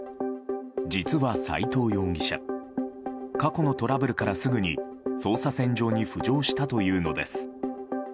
実は、斎藤容疑者過去のトラブルからすぐに捜査線上に浮上したというのです。